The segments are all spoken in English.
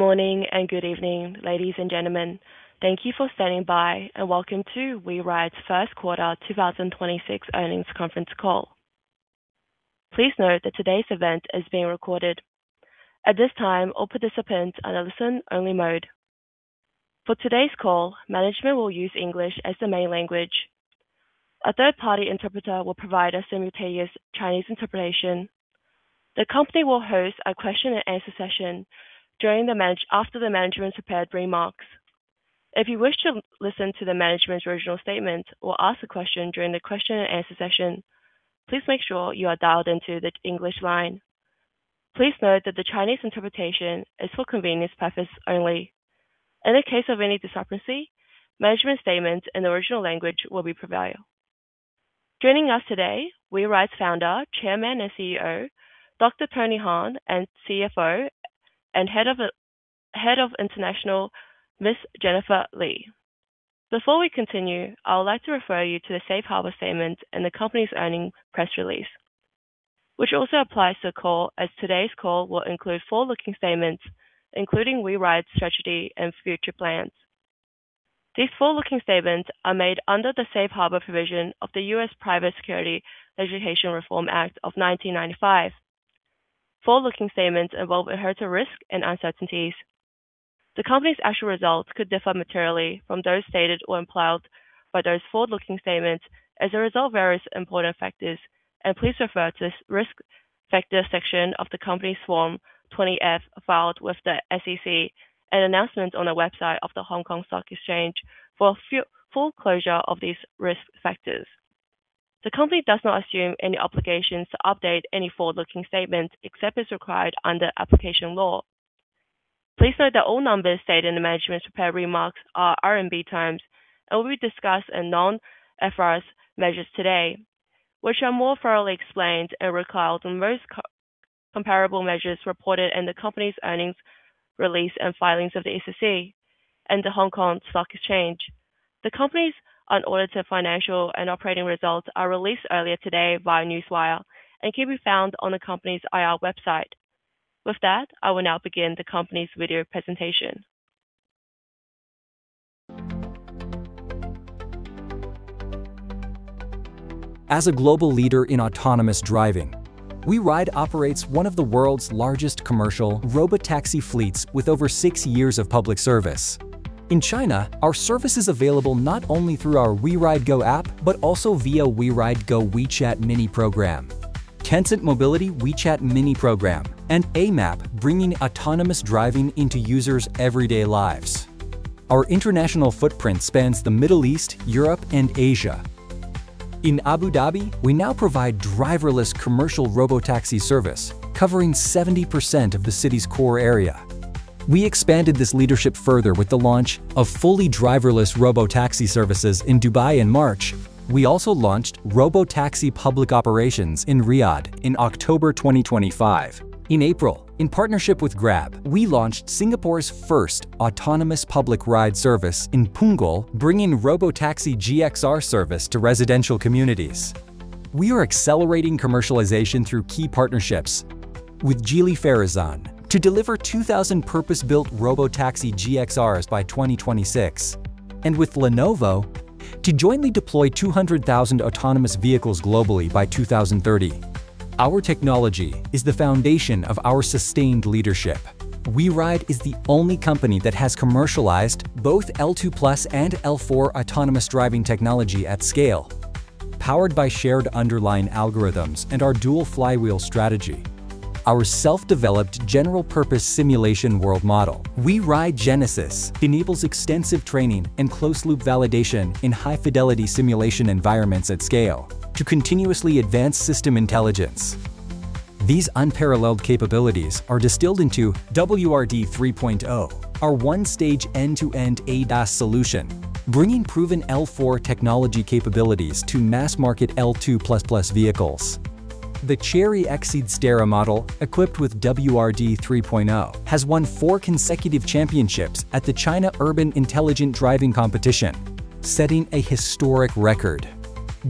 Morning, good evening, ladies and gentlemen. Thank you for standing by, and welcome to WeRide's Q1 2026 earnings conference call. Please note that today's event is being recorded. At this time, all participants are in listen-only mode. For today's call, management will use English as the main language. A third party interpreter will provide a simultaneous Chinese interpretation. The company will host a question and answer session after the management's prepared remarks. If you wish to listen to the management's original statement or ask a question during the question and answer session, please make sure you are dialed into the English line. Please note that the Chinese interpretation is for convenience purpose only. In the case of any discrepancy, management statements in the original language will be prevail. Joining us today, WeRide's Founder, Chairman, and CEO, Dr. Tony Han, and CFO and Head of International, Miss Jennifer Li. Before we continue, I would like to refer you to the safe harbor statement in the company's earning press release, which also applies to the call, as today's call will include forward-looking statements, including WeRide's strategy and future plans. These forward-looking statements are made under the safe harbor provision of the U.S. Private Securities Litigation Reform Act of 1995. Forward-looking statements involve inherent risks and uncertainties. The company's actual results could differ materially from those stated or implied by those forward-looking statements as a result of various important factors, and please refer to this risk factors section of the company's Form 20-F filed with the SEC and announcements on the website of the Hong Kong Stock Exchange for full disclosure of these risk factors. The company does not assume any obligations to update any forward-looking statements except as required under applicable law. Please note that all numbers stated in the management's prepared remarks are RMB terms and will be discussed in non-IFRS measures today, which are more thoroughly explained and reconciled in most comparable measures reported in the company's earnings release and filings of the SEC and the Hong Kong Stock Exchange. The company's unaudited financial and operating results are released earlier today via Newswire and can be found on the company's IR website. With that, I will now begin the company's video presentation. As a global leader in autonomous driving, WeRide operates one of the world's largest commercial Robotaxi fleets with over six years of public service. In China, our service is available not only through our WeRide Go app, but also via WeRide Go WeChat Mini Program, Tencent Mobility WeChat Mini Program, and Amap, bringing autonomous driving into users' everyday lives. Our international footprint spans the Middle East, Europe, and Asia. In Abu Dhabi, we now provide driverless commercial Robotaxi service, covering 70% of the city's core area. We expanded this leadership further with the launch of fully driverless Robotaxi services in Dubai in March. We also launched Robotaxi public operations in Riyadh in October 2025. In April, in partnership with Grab, we launched Singapore's first autonomous public ride service in Punggol, bringing Robotaxi GXR service to residential communities. We are accelerating commercialization through key partnerships with Geely Farizon to deliver 2,000 purpose-built Robotaxi GXR by 2026, and with Lenovo to jointly deploy 200,000 autonomous vehicles globally by 2030. Our technology is the foundation of our sustained leadership. WeRide is the only company that has commercialized both L2 plus and L4 autonomous driving technology at scale, powered by shared underlying algorithms and our dual flywheel strategy. Our self-developed general purpose simulation world model, WeRide GENESIS, enables extensive training and closed loop validation in high-fidelity simulation environments at scale to continuously advance system intelligence. These unparalleled capabilities are distilled into WRD 3.0, our one-stage end-to-end ADAS solution, bringing proven L4 technology capabilities to mass market L2++ vehicles. The Chery Exeed Sterra model, equipped with WRD 3.0, has won four consecutive championships at the China Urban Intelligent Driving Competition, setting a historic record.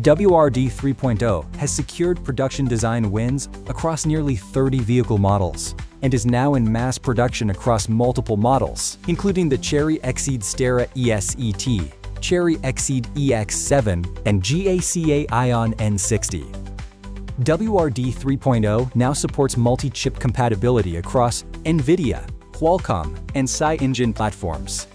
WRD 3.0 has secured production design wins across nearly 30 vehicle models and is now in mass production across multiple models, including the Chery Exeed Sterra ES, Chery Exeed EX7, and GAC Aion N60. WRD 3.0 now supports multi-chip compatibility across NVIDIA, Qualcomm, and SiEngine platforms,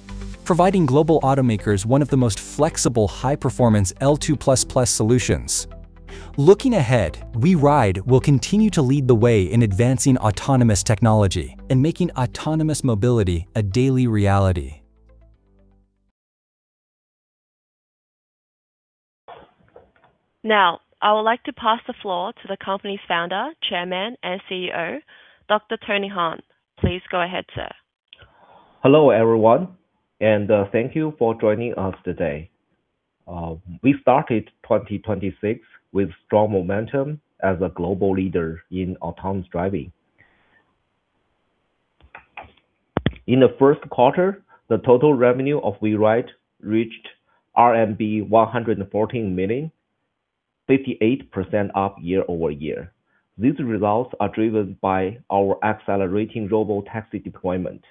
providing global automakers one of the most flexible high-performance L2++ solutions. Looking ahead, WeRide will continue to lead the way in advancing autonomous technology and making autonomous mobility a daily reality. Now, I would like to pass the floor to the company's Founder, Chairman, and CEO, Dr. Tony Han. Please go ahead, sir. Hello, everyone, thank you for joining us today. We started 2026 with strong momentum as a global leader in autonomous driving. In the Q1, the total revenue of WeRide reached RMB 114 million, 58% up year-over-year. These results are driven by our accelerating Robotaxi deployment,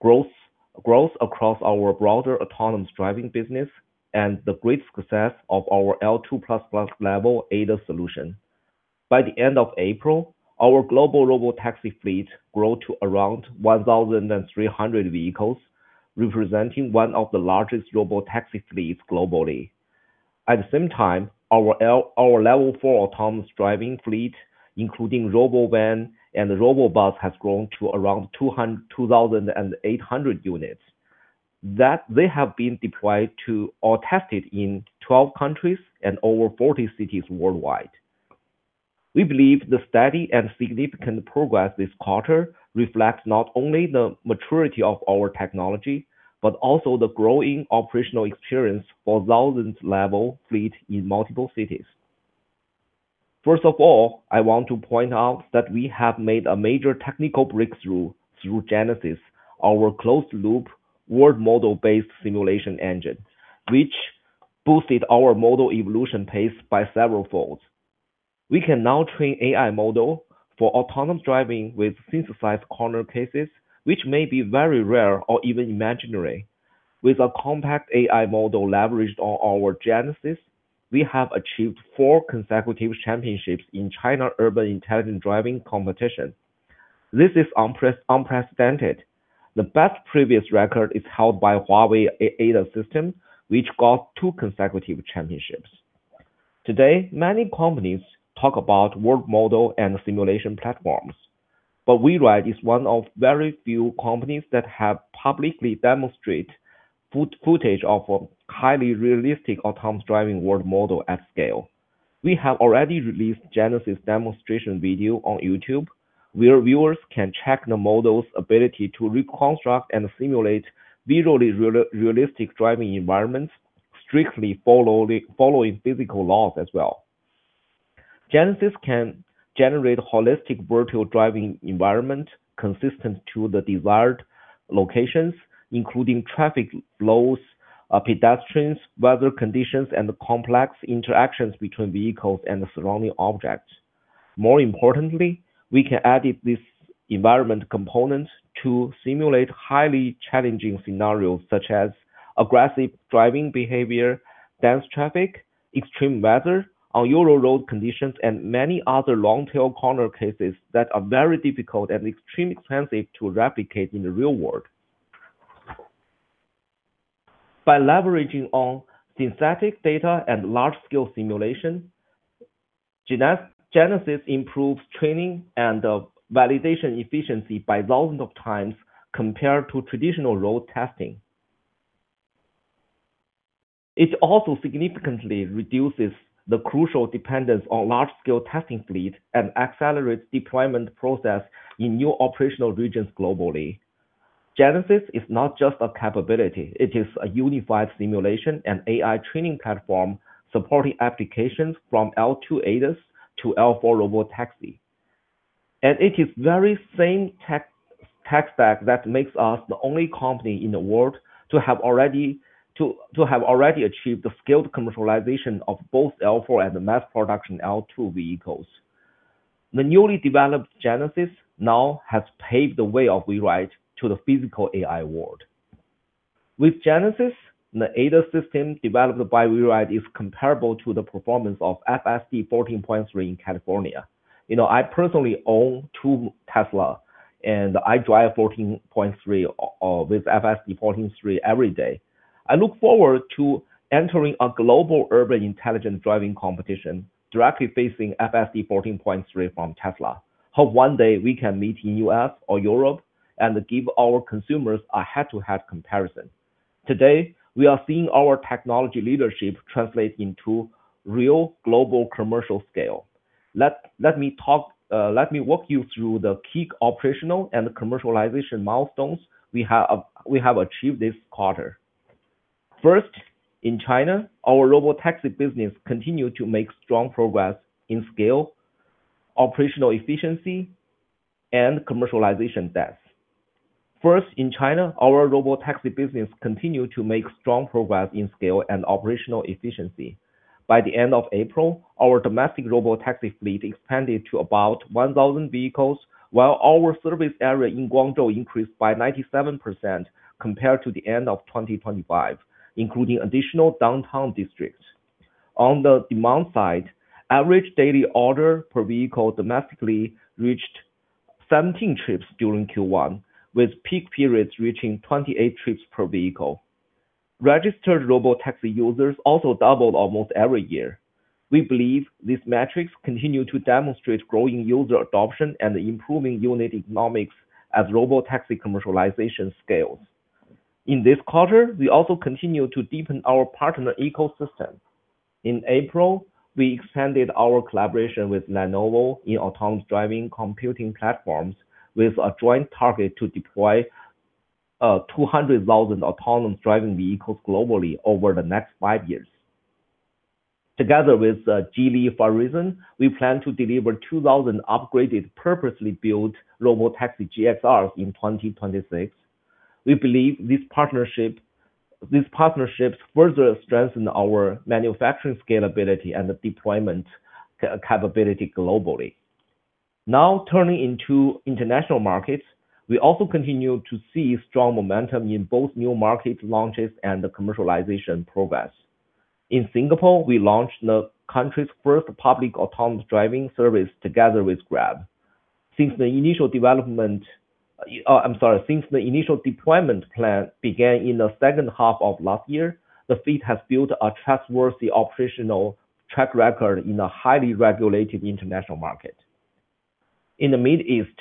growth across our broader autonomous driving business, and the great success of our L2++ level ADAS solution. By the end of April, our global Robotaxi fleet grow to around 1,300 vehicles, representing one of the largest Robotaxi fleets globally. At the same time, our Level Four autonomous driving fleet, including Robovan and Robobus, has grown to around 2,800 units, that they have been deployed to or tested in 12 countries and over 40 cities worldwide. We believe the steady and significant progress this quarter reflects not only the maturity of our technology, but also the growing operational experience for thousands-level fleet in multiple cities. First of all, I want to point out that we have made a major technical breakthrough through GENESIS, our closed-loop world model-based simulation engine, which boosted our model evolution pace by several folds. We can now train AI model for autonomous driving with synthesized corner cases, which may be very rare or even imaginary. With a compact AI model leveraged on our GENESIS, we have achieved four consecutive championships in China Urban Intelligent Driving Competition. This is unprecedented. The best previous record is held by Huawei, ADAS system, which got two consecutive championships. Today, many companies talk about world model and simulation platforms, but WeRide is one of very few companies that have publicly demonstrate footage of a highly realistic autonomous driving world model at scale. We have already released Genesis demonstration video on YouTube, where viewers can check the model's ability to reconstruct and simulate visually realistic driving environments, strictly following physical laws as well. Genesis can generate holistic virtual driving environment consistent to the desired locations, including traffic flows, pedestrians, weather conditions, and complex interactions between vehicles and the surrounding objects. More importantly, we can add this environment component to simulate highly challenging scenarios such as aggressive driving behavior, dense traffic, extreme weather, unusual road conditions, and many other long-tail corner cases that are very difficult and extremely expensive to replicate in the real world. By leveraging on synthetic data and large-scale simulation, GENESIS improves training and validation efficiency by thousands of times compared to traditional road testing. It also significantly reduces the crucial dependence on large-scale testing fleet and accelerates deployment process in new operational regions globally. GENESIS is not just a capability, it is a unified simulation and AI training platform supporting applications from L2 ADAS to L4 Robotaxi. It is very same tech stack that makes us the only company in the world to have already achieved the scaled commercialization of both L4 and mass production L2 vehicles. The newly developed GENESIS now has paved the way of WeRide to the physical AI world. With GENESIS, the ADAS system developed by WeRide is comparable to the performance of FSD 14.3 in California. You know, I personally own two Tesla, and I drive 14.3 with FSD 14.3 every day. I look forward to entering a global urban intelligent driving competition directly facing FSD 14.3 from Tesla. Hope one day we can meet in U.S. or Europe and give our consumers a head-to-head comparison. Today, we are seeing our technology leadership translate into real global commercial scale. Let me talk, let me walk you through the key operational and commercialization milestones we have achieved this quarter. First, in China, our Robotaxi business continued to make strong progress in scale, operational efficiency, and commercialization depth. First, in China, our Robotaxi business continued to make strong progress in scale and operational efficiency. By the end of April, our domestic robotaxi fleet expanded to about 1,000 vehicles, while our service area in Guangzhou increased by 97% compared to the end of 2025, including additional downtown districts. On the demand side, average daily order per vehicle domestically reached 17 trips during Q1, with peak periods reaching 28 trips per vehicle. Registered robotaxi users also doubled almost every year. We believe these metrics continue to demonstrate growing user adoption and improving unit economics as robotaxi commercialization scales. In this quarter, we also continued to deepen our partner ecosystem. In April, we expanded our collaboration with Lenovo in autonomous driving computing platforms with a joint target to deploy 200,000 autonomous driving vehicles globally over the next five years. Together with Geely Farizon, we plan to deliver 2,000 upgraded purposely built Robotaxi GXRs in 2026. We believe this partnership, these partnerships further strengthen our manufacturing scalability and deployment capability globally. Now turning into international markets, we also continue to see strong momentum in both new market launches and the commercialization progress. In Singapore, we launched the country's first public autonomous driving service together with Grab. I'm sorry. Since the initial deployment plan began in the second half of last year, the fleet has built a trustworthy operational track record in a highly regulated international market. In the Mid East,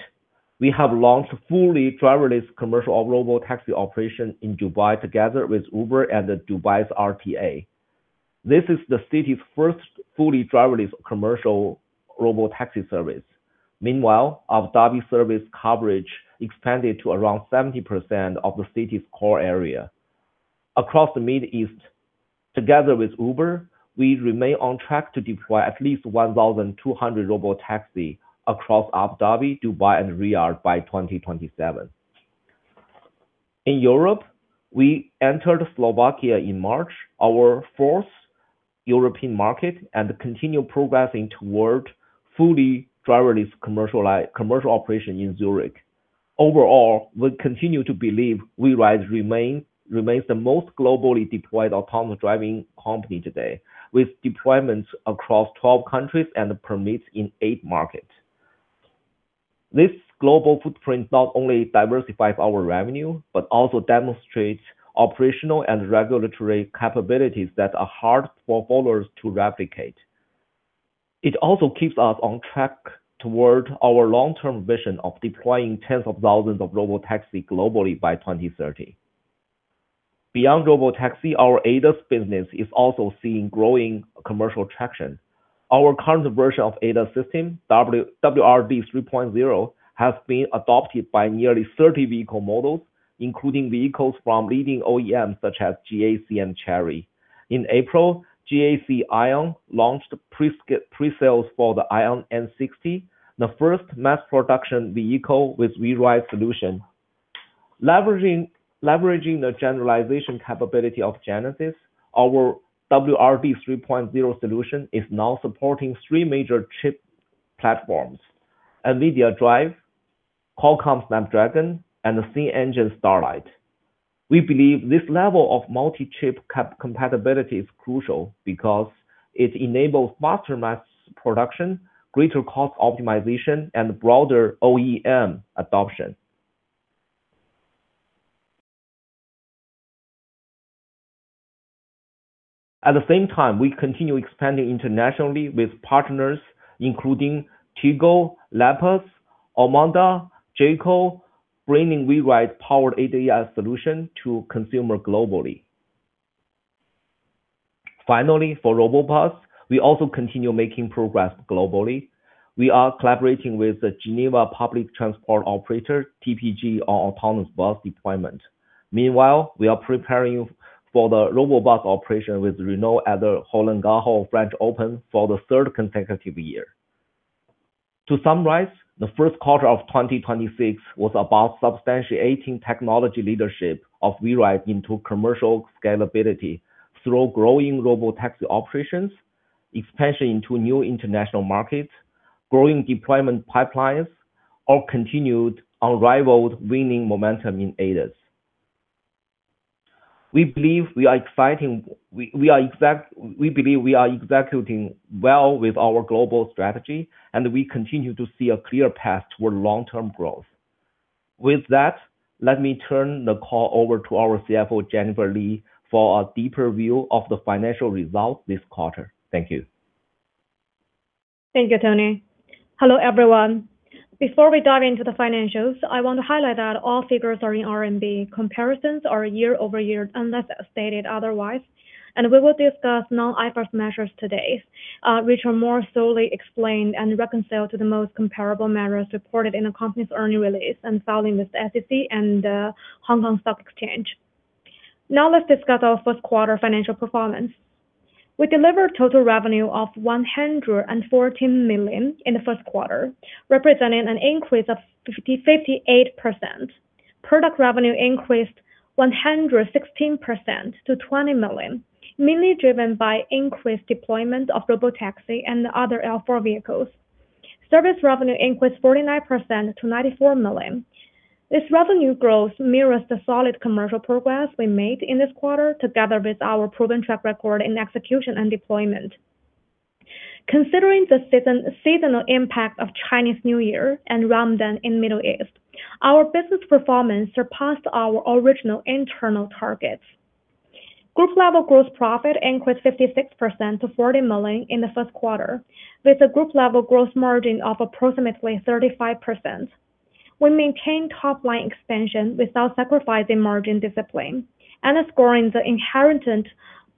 we have launched fully driverless commercial Robotaxi operation in Dubai together with Uber and the Dubai's RTA. This is the city's first fully driverless commercial Robotaxi service. Meanwhile, Abu Dhabi service coverage expanded to around 70% of the city's core area. Across the Mid East, together with Uber, we remain on track to deploy at least 1,200 Robotaxi across Abu Dhabi, Dubai and Riyadh by 2027. In Europe, we entered Slovakia in March, our fourth European market, and continue progressing toward fully driverless commercial operation in Zurich. Overall, we continue to believe WeRide remains the most globally deployed autonomous driving company today, with deployments across 12 countries and permits in eight markets. This global footprint not only diversifies our revenue, but also demonstrates operational and regulatory capabilities that are hard for followers to replicate. It also keeps us on track toward our long-term vision of deploying tens of thousands of Robotaxi globally by 2030. Beyond Robotaxi, our ADAS business is also seeing growing commercial traction. Our current version of ADAS system, WRD 3.0, has been adopted by nearly 30 vehicle models, including vehicles from leading OEMs such as GAC and Chery. In April, GAC Aion launched pre-sales for the AION N60, the first mass production vehicle with WeRide solution. Leveraging the generalization capability of GENESIS, our WRD 3.0 solution is now supporting three major chip platforms: NVIDIA DRIVE, Qualcomm Snapdragon, and the C-Engine Starlight. We believe this level of multi-chip compatibility is crucial because it enables faster mass production, greater cost optimization, and broader OEM adoption. At the same time, we continue expanding internationally with partners including Tiggo, Lepas, Omoda, Jaecoo, bringing WeRide-powered ADAS solution to consumer globally. Finally, for Robobus, we also continue making progress globally. We are collaborating with the Geneva Public Transport operator, TPG, on autonomous bus deployment. Meanwhile, we are preparing for the Robobus operation with Renault at the Roland-Garros French Open for the third consecutive year. To summarize, the first quarter of 2026 was about substantiating technology leadership of WeRide into commercial scalability through growing Robotaxi operations, expansion into new international markets, growing deployment pipelines, or continued unrivaled winning momentum in ADAS. We believe we are executing well with our global strategy, and we continue to see a clear path toward long-term growth. With that, let me turn the call over to our CFO, Jennifer Li, for a deeper view of the financial results this quarter. Thank you. Thank you, Tony. Hello, everyone. Before we dive into the financials, I want to highlight that all figures are in RMB. Comparisons are year-over-year unless stated otherwise. We will discuss non-IFRS measures today, which are more solely explained and reconciled to the most comparable measures reported in the company's earning release and filing with the SEC and Hong Kong Stock Exchange. Now let's discuss our first quarter financial performance. We delivered total revenue of 114 million in the first quarter, representing an increase of 58%. Product revenue increased 116% to 20 million, mainly driven by increased deployment of Robotaxi and other L4 vehicles. Service revenue increased 49% to 94 million. This revenue growth mirrors the solid commercial progress we made in this quarter together with our proven track record in execution and deployment. Considering the season, seasonal impact of Chinese New Year and Ramadan in Middle East, our business performance surpassed our original internal targets. Group level gross profit increased 56% to 40 million in the Q1, with a group level gross margin of approximately 35%. We maintain top-line expansion without sacrificing margin discipline and scoring the inherent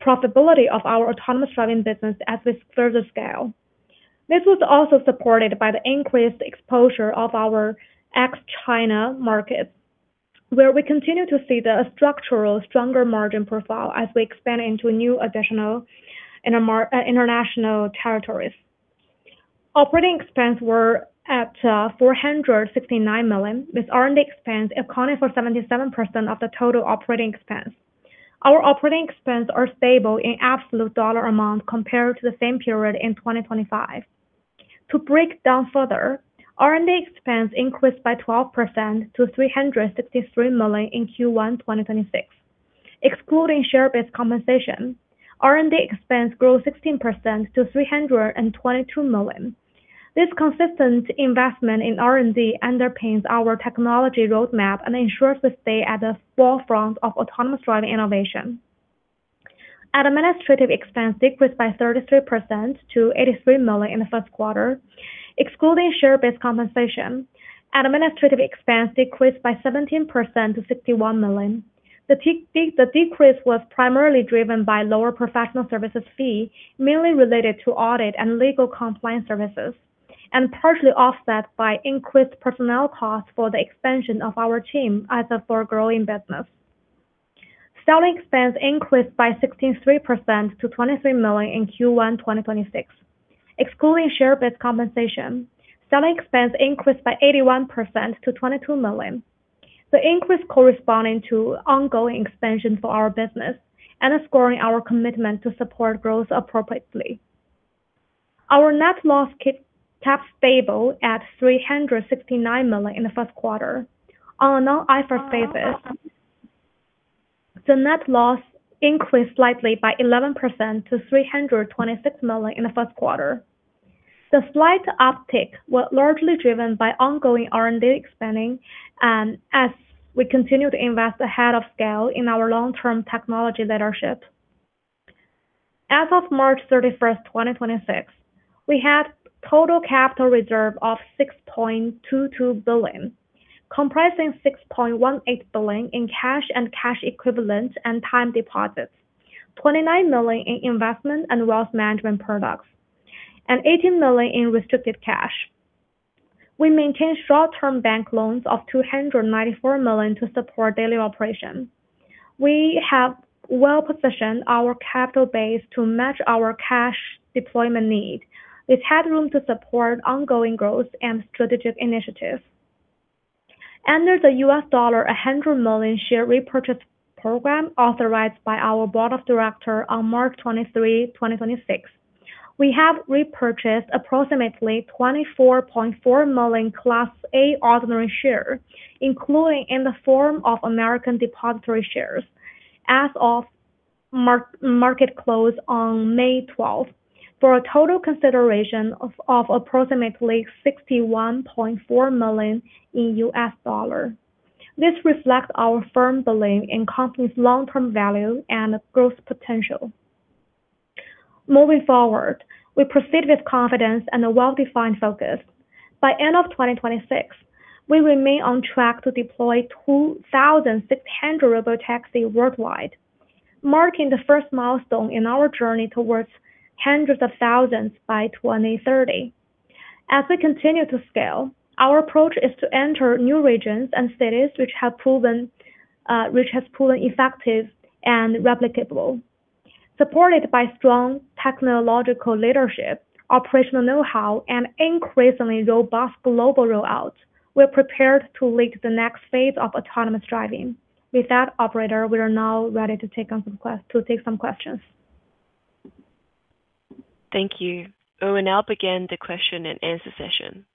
profitability of our autonomous driving business as we further scale. This was also supported by the increased exposure of our ex-China markets, where we continue to see the structural stronger margin profile as we expand into new additional intermar international territories. Operating expense were at 469 million, with R&D expense accounting for 77% of the total operating expense. Our operating expense are stable in absolute dollar amount compared to the same period in 2025. To break down further, R&D expense increased by 12% to 363 million in Q1 2026. Excluding share-based compensation, R&D expense grew 16% to 322 million. This consistent investment in R&D underpins our technology roadmap and ensures we stay at the forefront of autonomous driving innovation. Administrative expense decreased by 33% to 83 million in the 1st quarter. Excluding share-based compensation, administrative expense decreased by 17% to 61 million. The decrease was primarily driven by lower professional services fee, mainly related to audit and legal compliance services, and partially offset by increased personnel costs for the expansion of our team as a for growing business. Selling expense increased by 63% to 23 million in Q1 2026. Excluding share-based compensation, selling expense increased by 81% to 22 million. The increase corresponding to ongoing expansion for our business and is growing our commitment to support growth appropriately. Our net loss kept stable at 369 million in the first quarter. On a non-IFRS basis, the net loss increased slightly by 11% to 326 million in the first quarter. The slight uptick was largely driven by ongoing R&D expanding, as we continue to invest ahead of scale in our long-term technology leadership. As of March 31st, 2026, we had total capital reserve of 6.22 billion, comprising 6.18 billion in cash and cash equivalents and time deposits, 29 million in investment and wealth management products, and 18 million in restricted cash. We maintain short-term bank loans of 294 million to support daily operation. We have well-positioned our capital base to match our cash deployment need. We've had room to support ongoing growth and strategic initiatives. Under the U.S. dollar 100 million share repurchase program authorized by our board of director on March 23, 2026, we have repurchased approximately 24.4 million Class A ordinary share, including in the form of American depository shares, as of market close on May 12th, for a total consideration of approximately $61.4 million. This reflects our firm belief in company's long-term value and growth potential. Moving forward, we proceed with confidence and a well-defined focus. By end of 2026, we remain on track to deploy 2,600 Robotaxi worldwide, marking the first milestone in our journey towards hundreds of thousands by 2030. As we continue to scale, our approach is to enter new regions and cities which have proven effective and replicable. Supported by strong technological leadership, operational know-how, and increasingly robust global roll-out, we're prepared to lead the next phase of autonomous driving. With that, operator, we are now ready to take some questions. Thank you. We will now begin the question and answer session.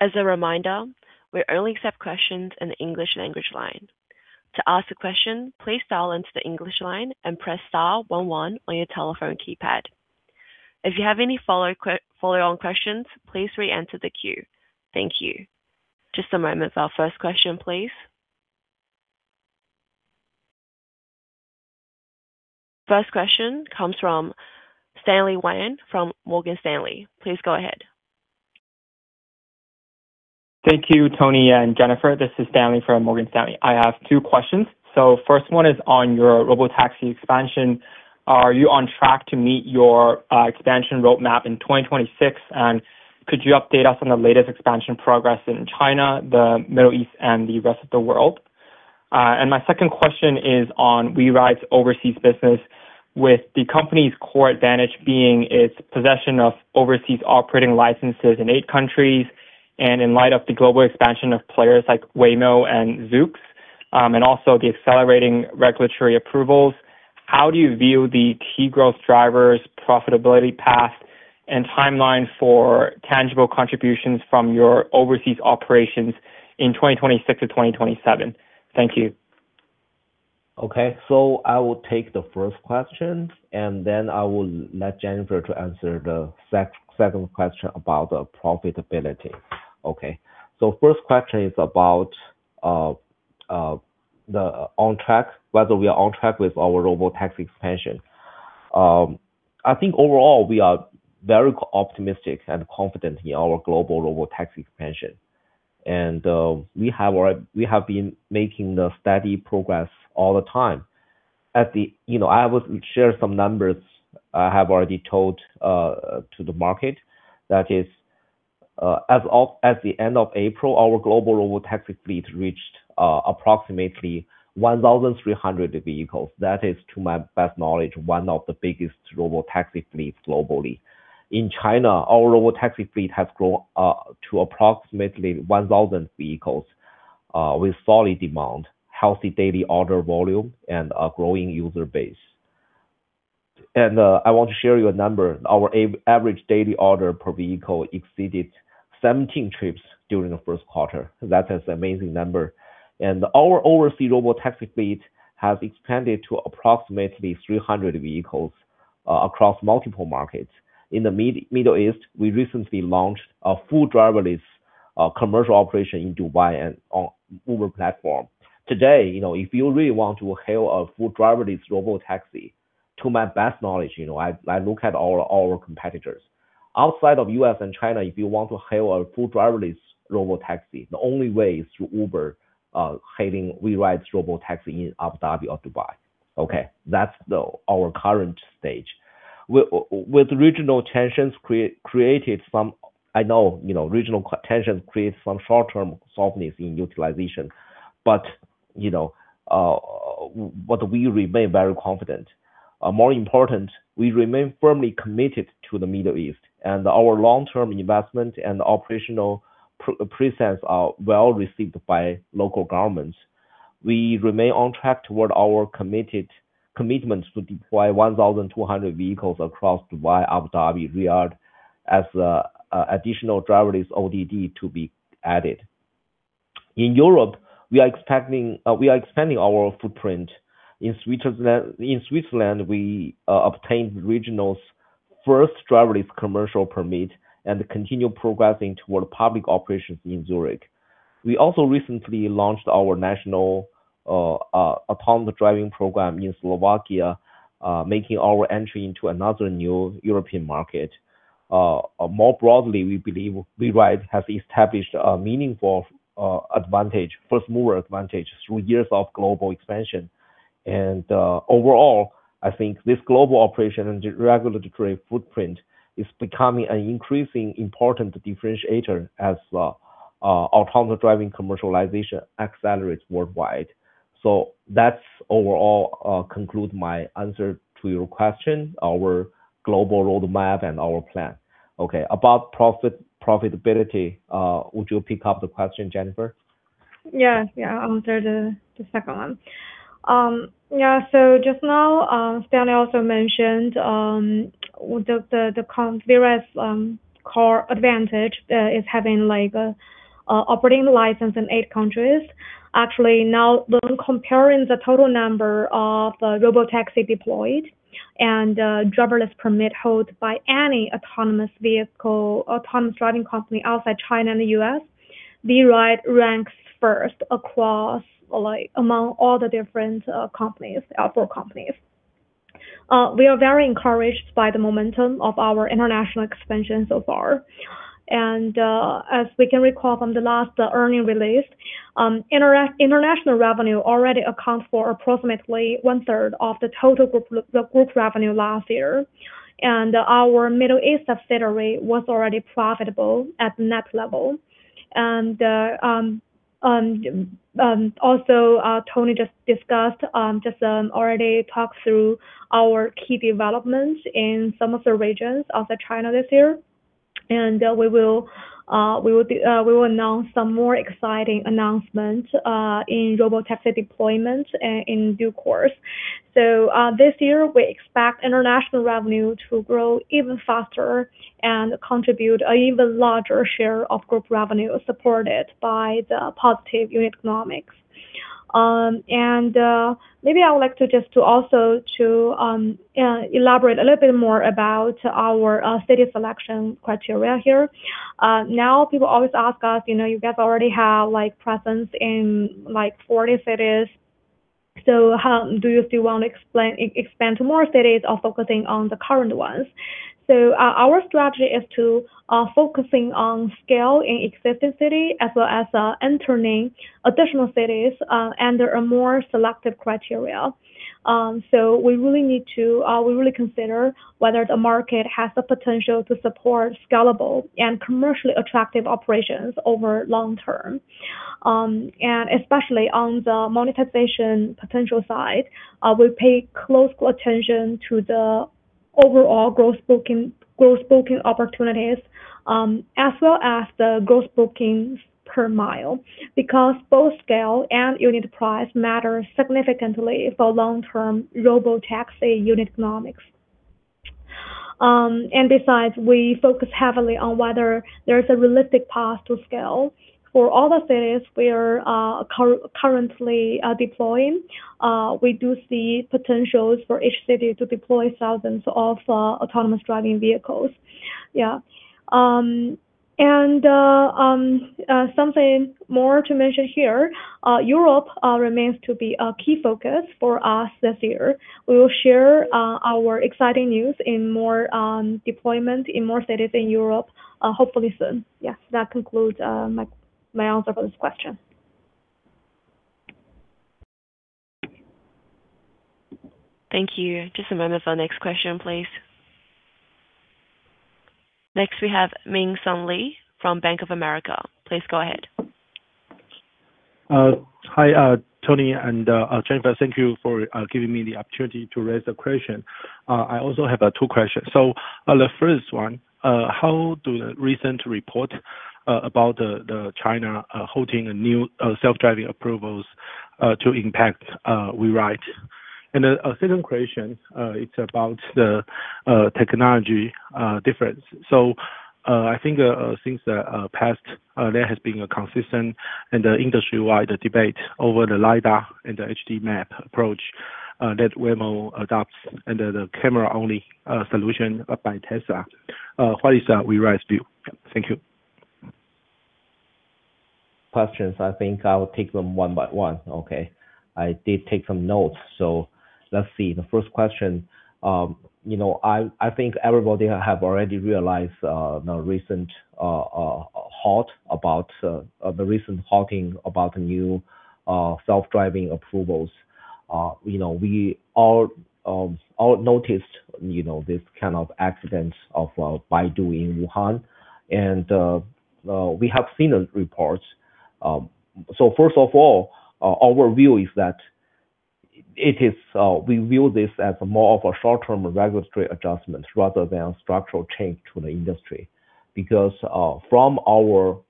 As a reminder, we only accept questions in the English language line. To ask a question, please dial into the English line and press star 11 on your telephone keypad. If you have any follow on questions, please re-enter the queue. Thank you. Just a moment for our first question, please. First question comes from Stanley Wan from Morgan Stanley. Please go ahead. Thank you, Tony and Jennifer. This is Stanley from Morgan Stanley. I have two questions. First one is on your Robotaxi expansion. Are you on track to meet your expansion roadmap in 2026? Could you update us on the latest expansion progress in China, the Middle East, and the rest of the world? My second question is on WeRide's overseas business. With the company's core advantage being its possession of overseas operating licenses in eight countries, and in light of the global expansion of players like Waymo and Zoox, and also the accelerating regulatory approvals, how do you view the key growth drivers, profitability path, and timeline for tangible contributions from your overseas operations in 2026 to 2027? Thank you. Okay. I will take the first question, and then I will let Jennifer to answer the second question about the profitability. Okay. First question is about whether we are on track with our Robotaxi expansion. I think overall we are very optimistic and confident in our global Robotaxi expansion. We have been making the steady progress all the time. At the You know, I would share some numbers I have already told to the market. At the end of April, our global Robotaxi fleet reached approximately 1,300 vehicles. That is, to my best knowledge, one of the biggest Robotaxi fleets globally. In China, our Robotaxi fleet has grown to approximately 1,000 vehicles with solid demand, healthy daily order volume, and a growing user base. I want to share you a number. Our average daily order per vehicle exceeded 17 trips during the first quarter. That is amazing number. Our overseas Robotaxi fleet has expanded to approximately 300 vehicles across multiple markets. In the Middle East, we recently launched a full driverless commercial operation in Dubai and on Uber platform. Today, you know, if you really want to hail a full driverless Robotaxi, to my best knowledge, you know, I look at all our competitors. Outside of U.S. and China, if you want to hail a full driverless Robotaxi, the only way is through Uber hailing WeRide's Robotaxi in Abu Dhabi or Dubai. Okay? That's our current stage. With regional tensions created some I know, you know, regional tensions create some short-term softness in utilization, but, you know, but we remain very confident. More important, we remain firmly committed to the Middle East, and our long-term investment and operational presence are well-received by local governments. We remain on track toward our commitments to deploy 1,200 vehicles across Dubai, Abu Dhabi. Riyadh as additional driverless ODD to be added. In Europe, we are expanding our footprint. In Switzerland, we obtained regional's first driverless commercial permit and continue progressing toward public operations in Zurich. We also recently launched our national autonomous driving program in Slovakia, making our entry into another new European market. More broadly, we believe WeRide has established a meaningful first mover advantage through years of global expansion. Overall, I think this global operation and regulatory footprint is becoming an increasing important differentiator as autonomous driving commercialization accelerates worldwide. That's overall, conclude my answer to your question, our global roadmap and our plan. Okay. About profitability, would you pick up the question, Jennifer? Yeah. Yeah. I'll answer the second one. Just now, Stanley also mentioned the WeRide's core advantage is having like operating license in eight countries. Actually, now when comparing the total number of Robotaxi deployed and driverless permit held by any autonomous vehicle, autonomous driving company outside China and the U.S., WeRide ranks first across, like, among all the different companies, auto companies. We are very encouraged by the momentum of our international expansion so far. As we can recall from the last earning release, international revenue already account for approximately one-third of the total group revenue last year. Our Middle East subsidiary was already profitable at net level. Also, Tony already talked through our key developments in some of the regions outside China this year. We will announce some more exciting announcements in Robotaxi deployment in due course. This year we expect international revenue to grow even faster and contribute an even larger share of group revenue supported by the positive unit economics. Maybe I would like to also to elaborate a little bit more about our city selection criteria here. People always ask us, you know, "You guys already have, like, presence in, like, 40 cities, do you still want to expand to more cities or focusing on the current ones?" Our strategy is to focus on scale in existing city as well as entering additional cities under a more selective criteria. We really consider whether the market has the potential to support scalable and commercially attractive operations over long term. Especially on the monetization potential side, we pay close attention to the overall gross booking opportunities as well as the gross bookings per mile, because both scale and unit price matter significantly for long-term Robotaxi unit economics. Besides, we focus heavily on whether there's a realistic path to scale. For all the cities we are currently deploying, we do see potentials for each city to deploy thousands of autonomous driving vehicles. Yeah. Something more to mention here, Europe remains to be a key focus for us this year. We will share our exciting news in more deployment in more cities in Europe, hopefully soon. Yeah. That concludes my answer for this question. Thank you. Just a moment for our next question, please. Next, we have Ming Hsun Lee from Bank of America. Please go ahead. Hi, Tony and Jennifer, thank you for giving me the opportunity to raise a question. I also have two questions. The first one, how do the recent report about the China halting a new self-driving approvals to impact WeRide? A second question, it's about the technology difference. I think since the past, there has been a consistent and industry-wide debate over the lidar and the HD map approach that Waymo adopts and the camera-only solution by Tesla. What is WeRide's view? Thank you. Questions. I think I'll take them one by one. Okay. I did take some notes. Let's see. The first question, you know, I think everybody have already realized the recent halting about the new self-driving approvals. You know, we all noticed, you know, this kind of accidents of Baidu in Wuhan and we have seen the reports. First of all, our view is that it is we view this as more of a short-term regulatory adjustment rather than structural change to the industry. From our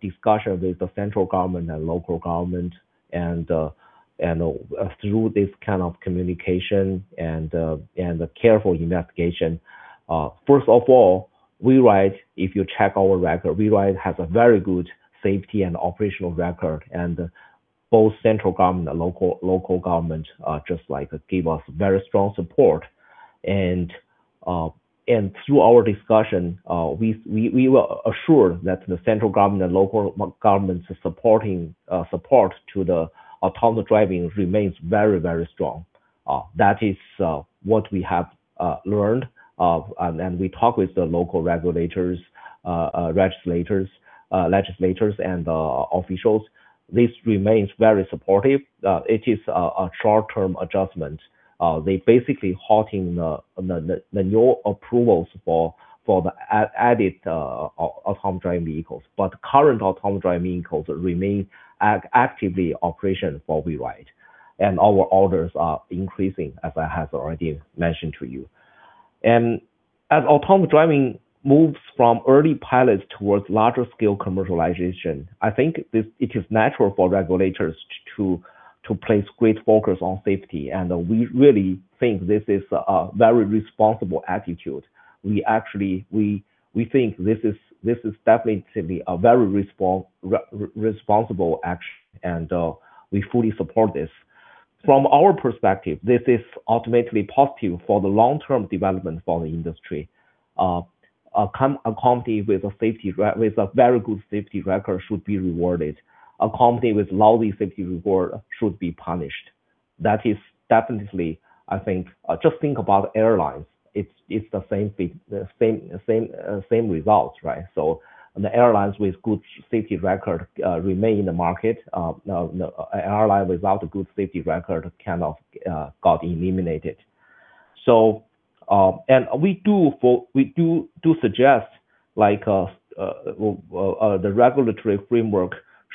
discussion with the central government and local government and through this kind of communication and careful investigation. First of all, WeRide, if you check our record, WeRide has a very good safety and operational record, both central government and local government just like give us very strong support. Through our discussion, we were assured that the central government and local governments are supporting, support to the autonomous driving remains very strong. That is what we have learned. We talk with the local regulators, legislators and officials. This remains very supportive. It is a short-term adjustment. They basically halting the new approvals for the driving vehicles. Current autonomous driving vehicles remain actively operational for WeRide. Our orders are increasing, as I have already mentioned to you. As autonomous driving moves from early pilots towards larger scale commercialization, I think it is natural for regulators to place great focus on safety. We really think this is a very responsible attitude. We actually think this is definitely a very responsible action and we fully support this. From our perspective, this is ultimately positive for the long-term development for the industry. A company with a very good safety record should be rewarded. A company with lousy safety record should be punished. That is definitely. I think, just think about airlines. It's the same results, right? The airlines with good safety record remain in the market. Airline without a good safety record kind of got eliminated. And we do suggest like the regulatory framework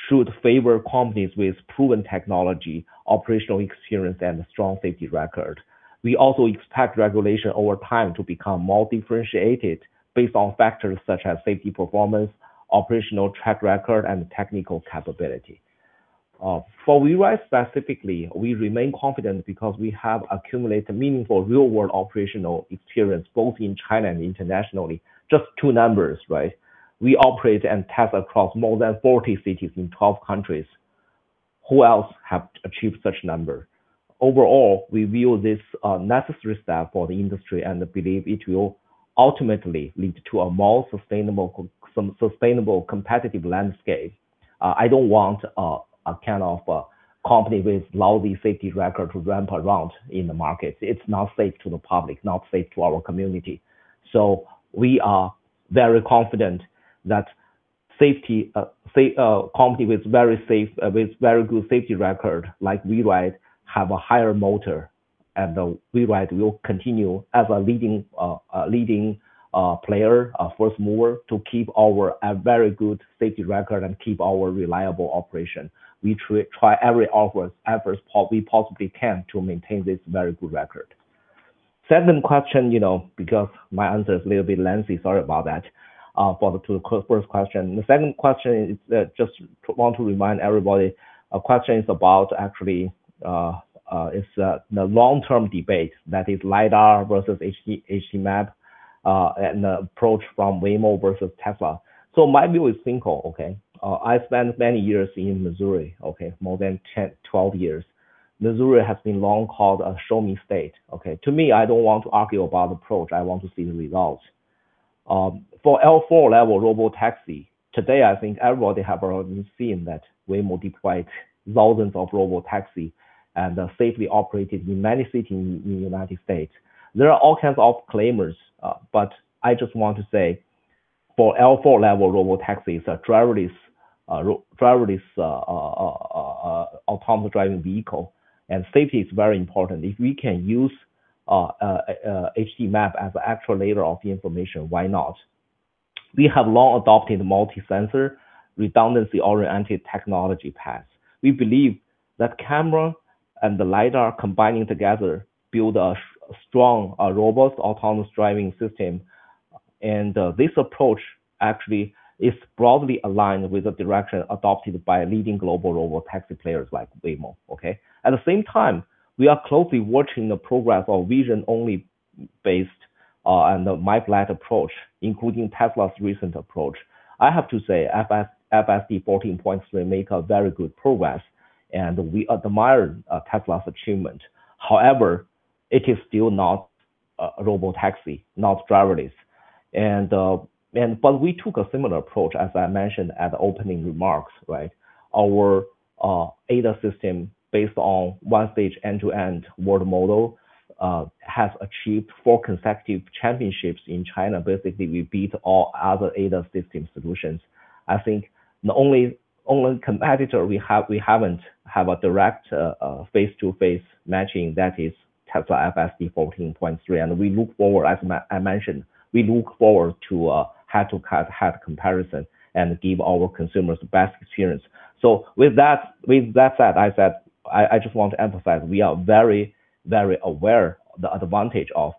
should favor companies with proven technology, operational experience and a strong safety record. We also expect regulation over time to become more differentiated based on factors such as safety performance, operational track record, and technical capability. For WeRide specifically, we remain confident because we have accumulated meaningful real-world operational experience both in China and internationally. Just 2 numbers, right? We operate and test across more than 40 cities in 12 countries. Who else have achieved such number? Overall, we view this necessary step for the industry and believe it will ultimately lead to a more sustainable sustainable competitive landscape. I don't want a kind of a company with lousy safety record to ramp around in the market. It's not safe to the public, not safe to our community. We are very confident that safety, company with very safe, with very good safety record like WeRide, have a higher moat. WeRide will continue as a leading player, first mover to keep our very good safety record and keep our reliable operation. We try every efforts we possibly can to maintain this very good record. Second question, you know, because my answer is a little bit lengthy, sorry about that, for the, to the first question. The second question is just want to remind everybody, question is about actually, is the long-term debate that is lidar versus HD map, and approach from Waymo versus Tesla. My view is simple, okay? I spent many years in Missouri, okay? More than 10, 12 years. Missouri has been long called a show me state, okay? To me, I don't want to argue about approach. I want to see the results. For L4 level Robotaxi, today I think everybody have already seen that Waymo deployed thousands of Robotaxi and safely operated in many cities in U.S. There are all kinds of claimers. I just want to say. For L4 level Robotaxis, a driverless autonomous driving vehicle, safety is very important. If we can use a HD map as actual layer of the information, why not? We have long adopted multi-sensor redundancy-oriented technology paths. We believe that camera and the lidar combining together build a strong, robust autonomous driving system. This approach actually is broadly aligned with the direction adopted by leading global Robotaxi players like Waymo. Okay? At the same time, we are closely watching the progress of vision only based on the map-led approach, including Tesla's recent approach. I have to say, FSD 14.3 make a very good progress, and we admire Tesla's achievement. However, it is still not a Robotaxi, not driverless. We took a similar approach, as I mentioned at the opening remarks, right? Our ADAS system based on 1 stage end-to-end world model has achieved four consecutive championships in China. Basically, we beat all other ADAS system solutions. I think the only competitor we haven't have a direct face-to-face matching, that is Tesla FSD 14.3. We look forward, as I mentioned, we look forward to head-to-head comparison and give our consumers the best experience. With that said, I just want to emphasize, we are very, very aware the advantage of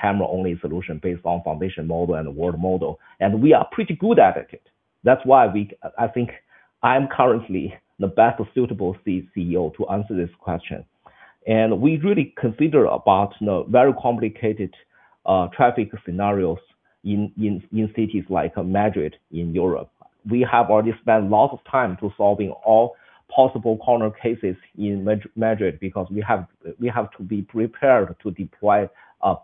camera-only solution based on foundation model and world model, and we are pretty good at it. That's why we, I think I'm currently the best suitable CEO to answer this question. We really consider about the very complicated traffic scenarios in cities like Madrid in Europe. We have already spent lots of time to solving all possible corner cases in Madrid because we have to be prepared to deploy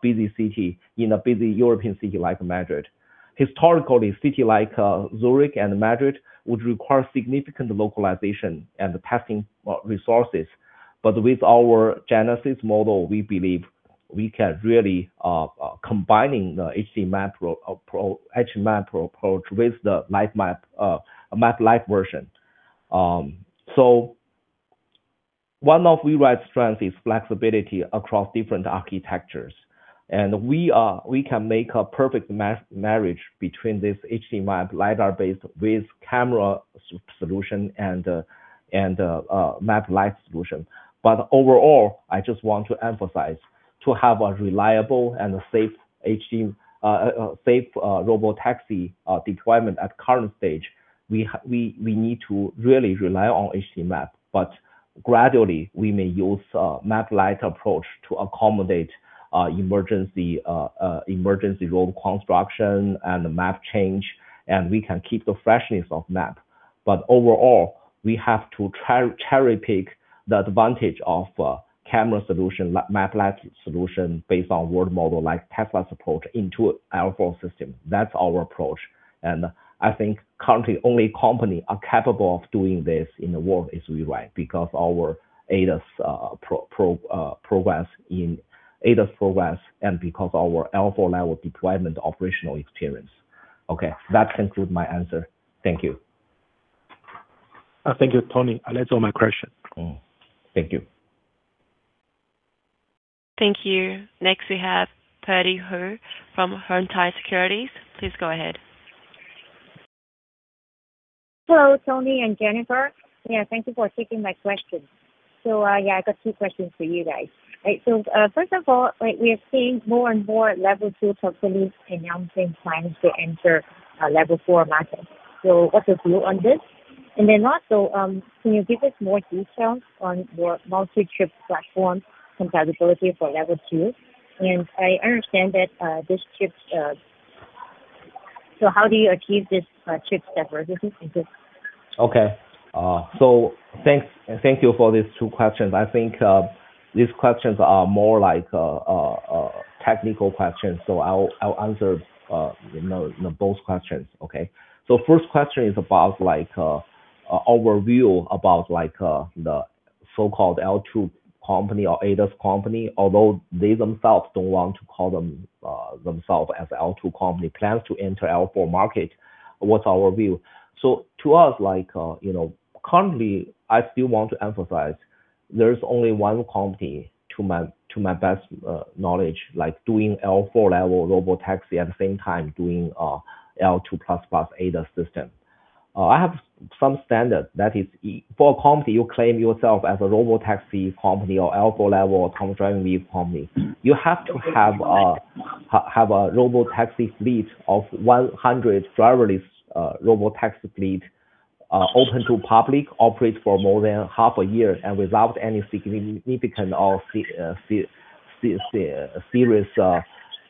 in a busy European city like Madrid. Historically, city like Zurich and Madrid would require significant localization and testing resources. With our GENESIS model, we believe we can really combining the HD map approach with the map-led version. One of WeRide's strength is flexibility across different architectures. We are, we can make a perfect marriage between this HD map lidar-based with camera solution and map-led solution. Overall, I just want to emphasize, to have a reliable and safe HD, safe Robotaxi deployment at current stage, we need to really rely on HD map. Gradually, we may use map-led approach to accommodate emergency road construction and map change, and we can keep the freshness of map. Overall, we have to cherry-pick the advantage of camera solution, map-led solution based on world model like Tesla's approach into L4 system. That's our approach. I think currently only company are capable of doing this in the world is WeRide because our ADAS progress and because our L4 level deployment operational experience. Okay. That concludes my answer. Thank you. Thank you, Tony. That's all my question. Cool. Thank you. Thank you. Next, we have Purdy Ho from Huatai Securities. Please go ahead. Hello, Tony and Jennifer. Yeah, thank you for taking my question. Yeah, I got two questions for you guys. Right. First of all, like we are seeing more and more level two companies in Yongchuan plans to enter a level four market. What's your view on this? Also, can you give us more details on your multi-chip platform compatibility for level two? I understand that. How do you achieve this chip's diversity? Thank you. Okay. Thanks. Thank you for these two questions. I think, these questions are more like, technical questions. I'll answer, you know, you know, both questions. Okay. First question is about like, overview about like, the so-called L2 company or ADAS company, although they themselves don't want to call themselves as L2 company, plans to enter L4 market. What's our view? To us, like, you know, currently, I still want to emphasize there's only one company to my best knowledge, like doing L4 level Robotaxi at the same time doing, L2++ ADAS system. I have some standard that is for a company, you claim yourself as a robotaxi company or L4 level autonomous driving vehicle company, you have to have a robotaxi fleet of 100 driverless robotaxi fleet open to public, operate for more than half a year, and without any significant or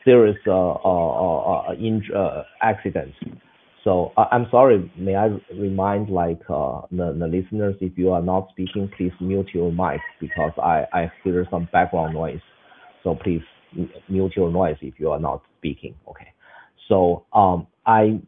serious accidents. I'm sorry, may I remind the listeners, if you are not speaking, please mute your mic because I hear some background noise. Please mute your noise if you are not speaking. Okay. I,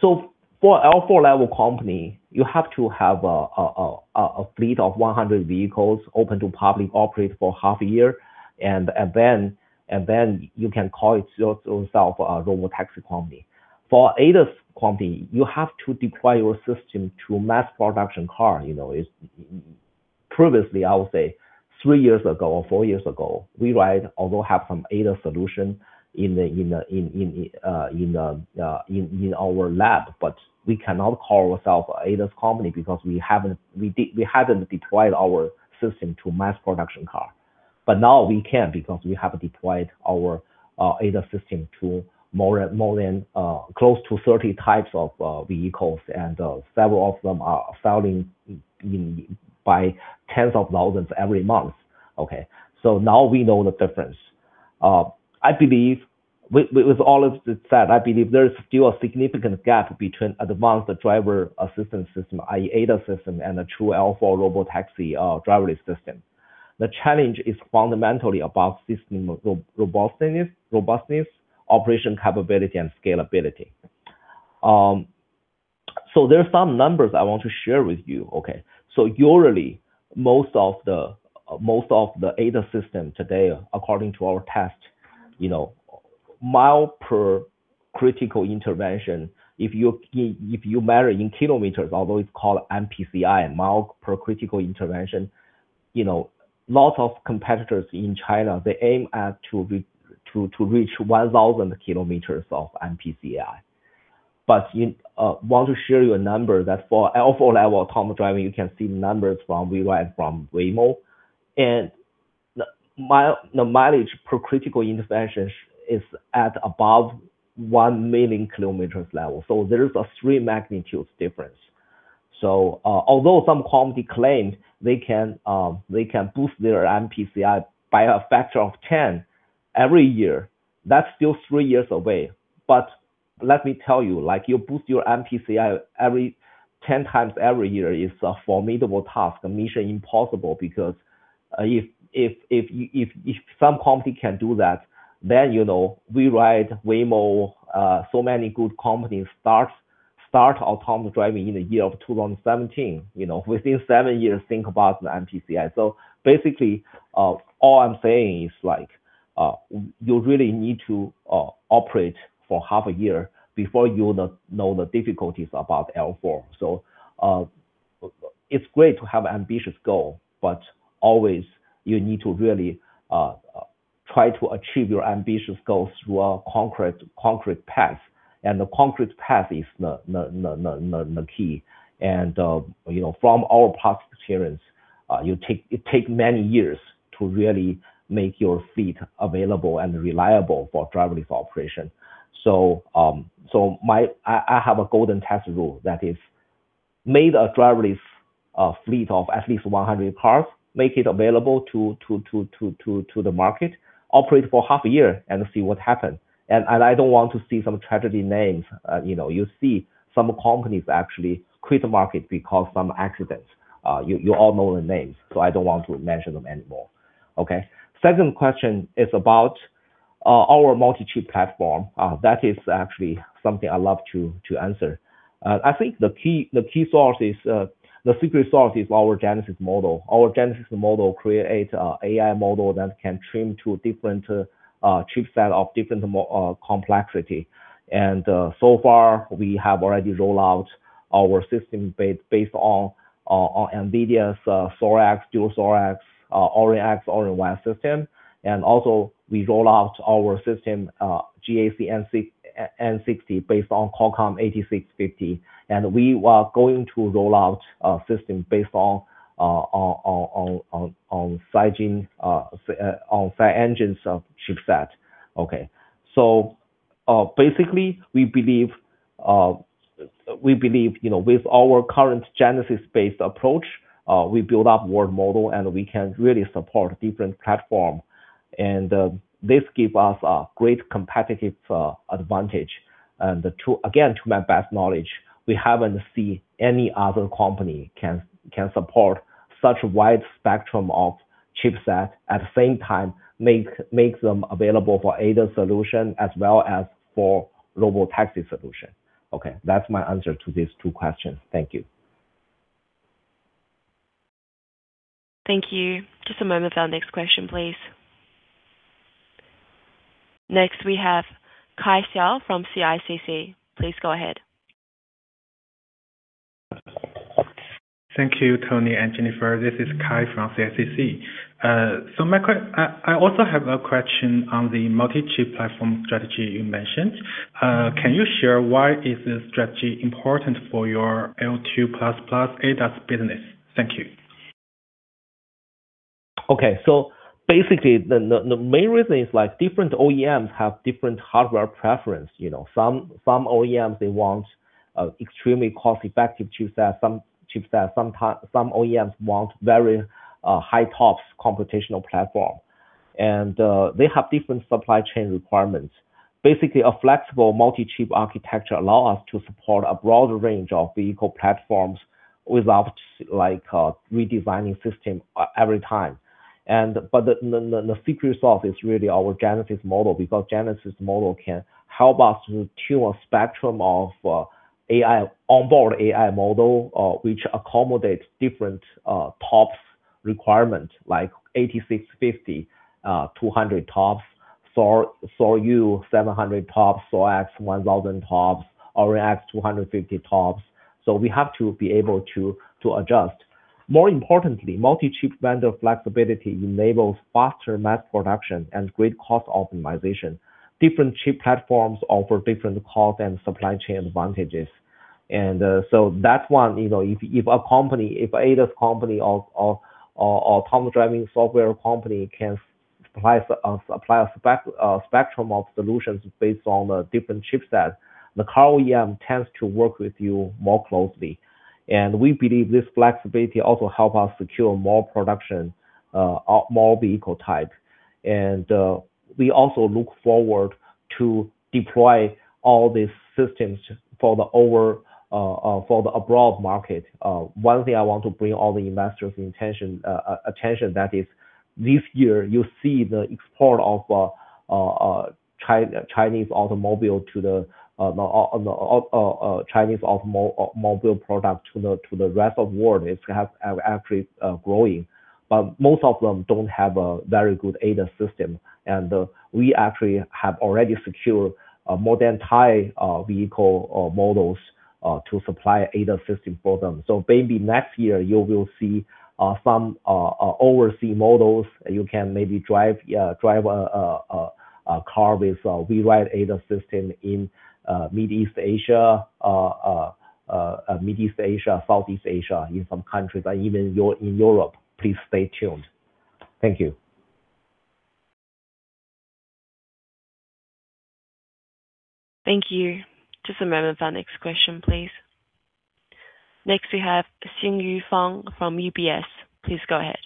for L4 level company, you have to have a fleet of 100 vehicles open to public operate for half a year and then you can call yourself a robotaxi company. For ADAS company, you have to deploy your system to mass production car, you know. Previously, I would say three years ago or four years ago, WeRide although have some ADAS solution in our lab, but we cannot call ourself ADAS company because we haven't deployed our system to mass production car. Now we can because we have deployed our ADAS system to more than close to 30 types of vehicles, and several of them are selling by tens of thousands every month. Okay. Now we know the difference. I believe with all of that said, I believe there is still a significant gap between advanced driver assistance system, i.e. ADAS system, and a true L4 Robotaxi driverless system. The challenge is fundamentally about system robustness, operation capability and scalability. There are some numbers I want to share with you, okay? Yearly, most of the ADAS system today, according to our test, you know, mile per critical intervention, if you measure in kilometers, although it is called MPCI, mile per critical intervention, you know, lot of competitors in China, they aim to reach 1,000 kilometers of MPCI. I want to show you a number that for L4 level autonomous driving, you can see the numbers from WeRide from Waymo. The mileage per critical interventions is at above 1 million kilometers level. There is a three magnitudes difference. Although some company claimed they can boost their MPCI by a factor of 10 every year, that's still three years away. Let me tell you, like you boost your MPCI every 10 times every year is a formidable task, a mission impossible. If some company can do that, you know, WeRide, Waymo, so many good companies start autonomous driving in the year of 2017. You know, within seven years, think about the MPCI. Basically, all I'm saying is like, you really need to operate for half a year before you'll know the difficulties about L4. It's great to have ambitious goal, always you need to really try to achieve your ambitious goals through a concrete path. The concrete path is the key. You know, from our past experience, it take many years to really make your fleet available and reliable for driverless operation. I have a golden test rule that if made a driverless fleet of at least 100 cars, make it available to the market, operate for half a year and see what happens. I don't want to see some tragedy names. You know, you see some companies actually quit the market because some accidents. You all know the names, I don't want to mention them anymore. Okay? Second question is about our multi-chip platform. That is actually something I love to answer. I think the key source is the secret source is our GENESIS model. Our GENESIS model create AI model that can trim to different chipset of different complexity. So far we have already roll out our system based on NVIDIA's DRIVE Thor, dual DRIVE Thor, Orin X, Orin Y system. Also we roll out our system GAC Aion N60 based on Qualcomm SA8650. We are going to roll out a system based on SiEngine, on SiEngine's chipset. Okay. Basically we believe, you know, with our current GENESIS-based approach, we build up world model, and we can really support different platform. This give us a great competitive advantage. To, again, to my best knowledge, we haven't see any other company can support such a wide spectrum of chipset, at the same time make them available for ADAS solution as well as for Robotaxi solution. Okay. That's my answer to these two questions. Thank you. Thank you. Just a moment for our next question, please. Next, we have Kai Xiao from CICC. Please go ahead. Thank you, Tony and Jennifer. This is Kai from CICC. I also have a question on the multi-chip platform strategy you mentioned. Can you share why is this strategy important for your L2++ ADAS business? Thank you. Okay. Basically the main reason is like different OEMs have different hardware preference. You know? Some OEMs, they want extremely cost-effective chipset. Sometimes some OEMs want very high tops computational platform. They have different supply chain requirements. Basically, a flexible multi-chip architecture allow us to support a broader range of vehicle platforms without, like, redesigning system every time. But the secret sauce is really our GENESIS model, because GENESIS model can help us to tune a spectrum of AI, onboard AI model, which accommodates different tops requirement, like 8650, 200 tops, 700 tops, Orin X 1,000 tops, Orin Y 250 tops. We have to be able to adjust. More importantly, multi-chip vendor flexibility enables faster mass production and great cost optimization. Different chip platforms offer different cost and supply chain advantages. That one, you know, if a company, if ADAS company or autonomous driving software company can supply a spectrum of solutions based on the different chipsets, the car OEM tends to work with you more closely. We believe this flexibility also help us secure more production, more vehicle types. We also look forward to deploy all these systems for the over, for the abroad market. One thing I want to bring all the investors attention, that is this year you see the export of Chinese automobile to the Chinese automobile product to the, to the rest of world. It's have, actually, growing, but most of them don't have a very good ADAS system. We actually have already secured more than 10 vehicle models to supply ADAS system for them. Maybe next year you will see some oversea models. You can maybe drive a car with WeRide ADAS system in Mid East Asia, Southeast Asia in some countries, or even in Europe. Please stay tuned. Thank you. Thank you. Just a moment for our next question, please. Next we have Xinyu Fang from UBS. Please go ahead.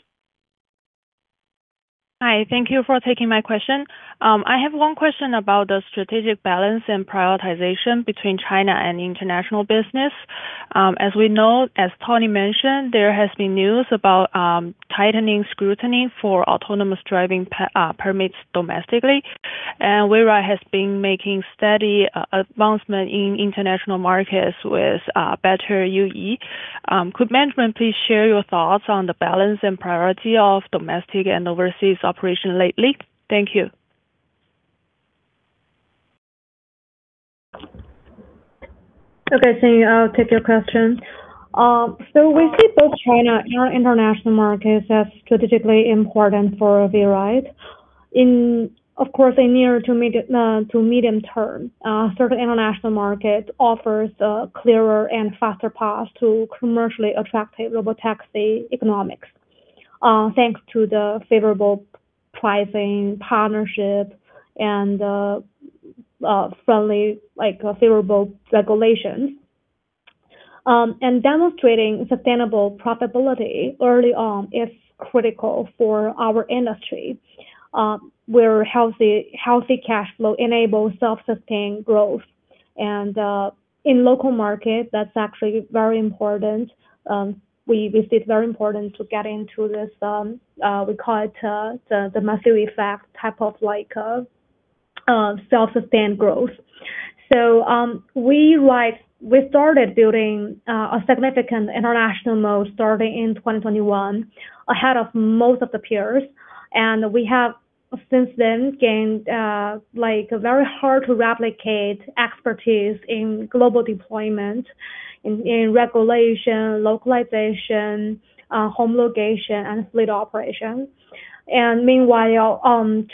Hi, thank you for taking my question. I have one question about the strategic balance and prioritization between China and international business. As we know, as Tony mentioned, there has been news about tightening scrutiny for autonomous driving permits domestically. WeRide has been making steady advancement in international markets with better UE. Could management please share your thoughts on the balance and priority of domestic and overseas operation lately? Thank you. Okay, Xinyu, I'll take your question. We see both China and international markets as strategically important for WeRide. In, of course, the near to medium term, certain international markets offers a clearer and faster path to commercially attractive Robotaxi economics, thanks to the favorable pricing, partnership, and friendly, like, favorable regulations. Demonstrating sustainable profitability early on is critical for our industry, where healthy cash flow enables self-sustained growth. In local market, that's actually very important. We see it very important to get into this, we call it, the massive effect type of like, self-sustained growth. WeRide, we started building a significant international mode starting in 2021, ahead of most of the peers. We have since then gained, like very hard to replicate expertise in global deployment, in regulation, localization, home location, and fleet operations. Meanwhile,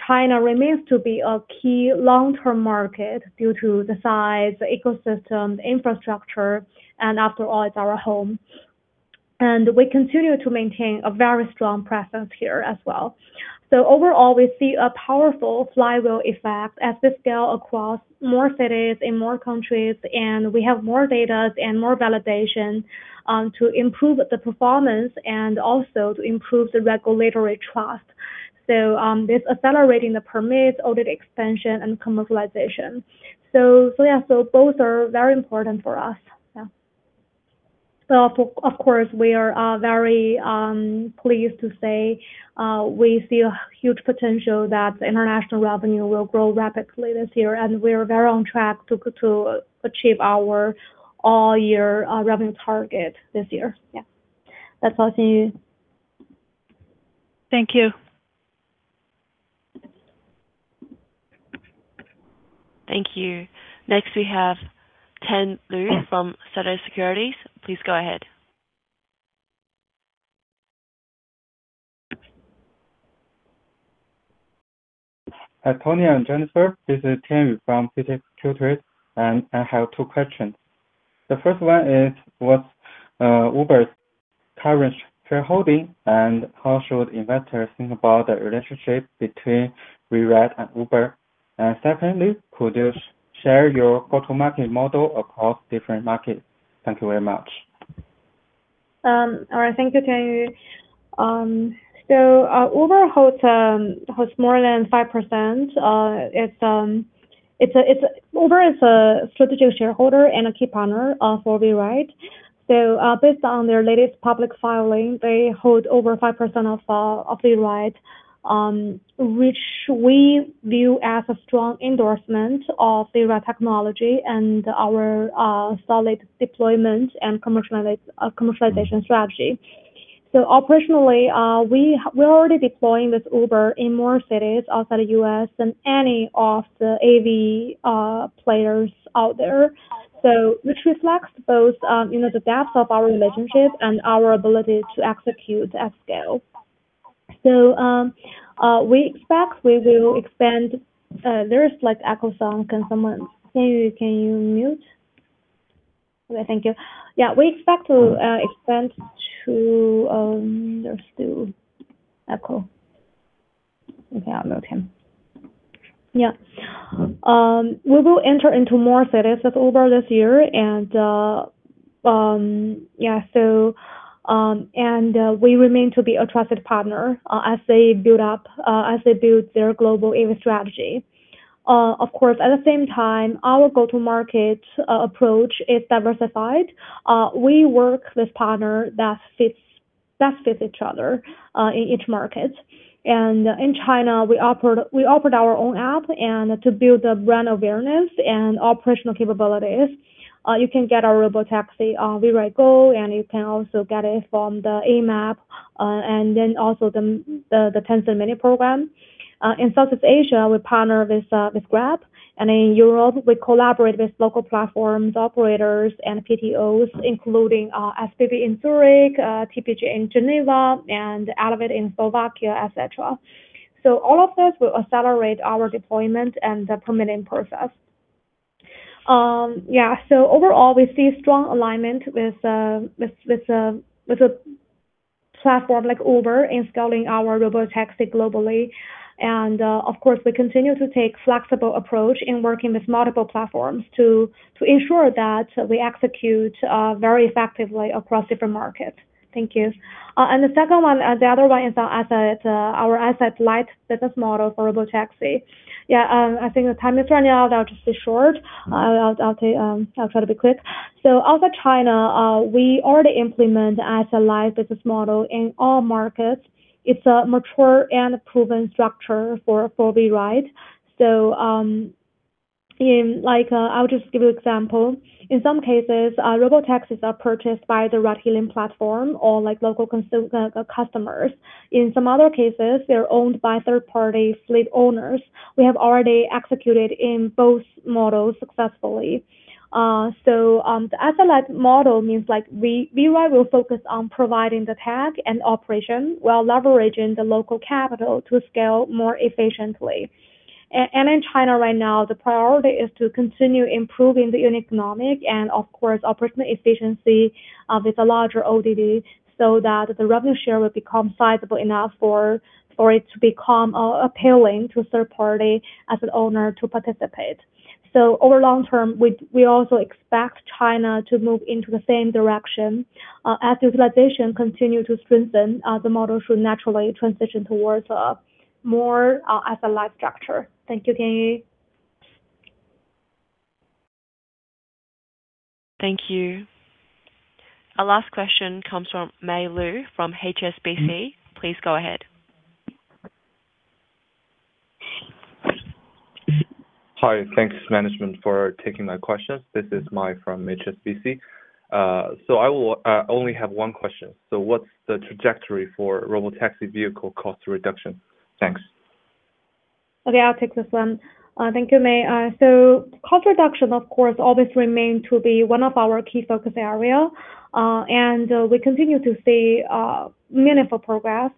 China remains to be a key long-term market due to the size, ecosystem, infrastructure, and after all, it's our home. We continue to maintain a very strong presence here as well. Overall, we see a powerful flywheel effect as we scale across more cities in more countries, and we have more data and more validation to improve the performance and also to improve the regulatory trust. This accelerating the permits, audit expansion, and commercialization. Yeah, both are very important for us. Of course, we are very pleased to say, we see a huge potential that international revenue will grow rapidly this year, and we're very on track to achieve our all year revenue target this year. Yeah. That's all, Xinyu. Thank you. Thank you. Next, we have Tianyu Liu from CITIC Securities. Please go ahead. Hi, Tony and Jennifer. This is Tianyu Liu from CITIC Securities, and I have two questions. The first one is, what's Uber's current shareholding, and how should investors think about the relationship between WeRide and Uber? Secondly, could you share your go-to-market model across different markets? Thank you very much. Thank you, Tianyu. Uber holds more than five percent. Uber is a strategic shareholder and a key partner of, for WeRide. Based on their latest public filing, they hold over five percent of WeRide, which we view as a strong endorsement of WeRide technology and our solid deployment and commercialization strategy. Operationally, we're already deploying with Uber in more cities outside the U.S. than any of the AV players out there. Which reflects both, you know, the depth of our relationship and our ability to execute at scale. We expect we will expand there is like echo sound. Can someone Tianyu, can you mute? Okay, thank you. We expect to expand to There's still echo. Okay, I'll mute him. Yeah. We will enter into more cities with Uber this year. We remain to be a trusted partner as they build their global AV strategy. Of course, at the same time, our go-to-market approach is diversified. We work with partner that best fits each other in each market. In China, we operate our own app to build the brand awareness and operational capabilities. You can get our robotaxi on WeRide Go. You can also get it from the AMAP and then also the Tencent Mini Program. In Southeast Asia, we partner with Grab, in Europe, we collaborate with local platforms, operators, and PTOs, including SBB in Zurich, TPG in Geneva, and ELEVATE in Slovakia, et cetera. All of this will accelerate our deployment and the permitting process. Overall, we see strong alignment with a platform like Uber in scaling our Robotaxi globally. Of course, we continue to take flexible approach in working with multiple platforms to ensure that we execute very effectively across different markets. Thank you. The second one, the other one is our asset-light business model for Robotaxi. I think the time is running out. I'll just be short. I'll try to be quick. Outside China, we already implement asset-light business model in all markets. It's a mature and proven structure for WeRide. In like, I'll just give you example. In some cases, robotaxis are purchased by the ride-hailing platform or, like, local customers. In some other cases, they're owned by third-party fleet owners. We have already executed in both models successfully. The asset-light model means, like, WeRide will focus on providing the tech and operation while leveraging the local capital to scale more efficiently. In China right now, the priority is to continue improving the unit economic and of course operational efficiency, with a larger ODD so that the revenue share will become sizable enough for it to become appealing to a third party as an owner to participate. Over long term, we also expect China to move into the same direction. As utilization continue to strengthen, the model should naturally transition towards a more asset-light structure. Thank you, Tianyu. Thank you. Our last question comes from Mei Liu from HSBC. Please go ahead. Hi. Thanks, management, for taking my questions. This is Mei from HSBC. I will only have one question: What's the trajectory for Robotaxi vehicle cost reduction? Thanks. Okay, I'll take this one. Thank you, Mei. Cost reduction, of course, always remain to be one of our key focus area. We continue to see meaningful progress.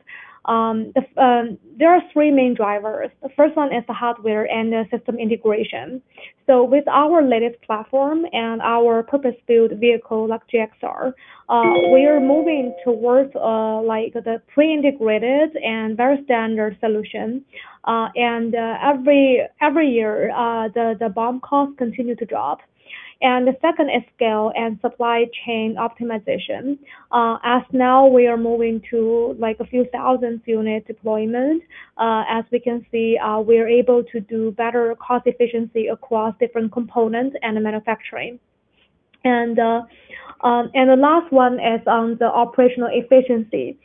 There are three main drivers. The first one is the hardware and the system integration. With our latest platform and our purpose-built vehicle, like GXR, we are moving towards, like, the pre-integrated and very standard solution. Every year, the BOM costs continue to drop. The second is scale and supply chain optimization. As now we are moving to, like, a few thousand units deployment, as we can see, we are able to do better cost efficiency across different components and the manufacturing. The last one is on the operational efficiency.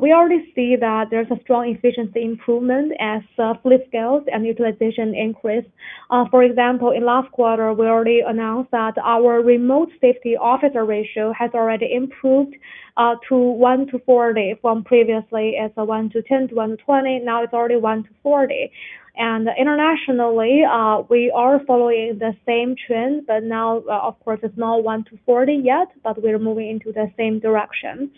We already see that there's a strong efficiency improvement as fleet scales and utilization increase. For example, in last quarter, we already announced that our remote safety officer ratio has already improved to 1 to 40 from previously as 1 to 10 to 120, now it's already 1 to 40. Internationally, we are following the same trend, but now, of course it's not 1 to 40 yet, but we're moving into the same direction.